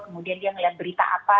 kemudian dia melihat berita apa